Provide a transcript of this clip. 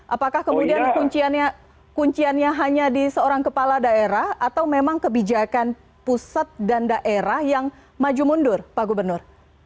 apakah kemudian kunciannya hanya di seorang kepala daerah atau memang kebijakan pusat dan daerah yang maju mundur pak gubernur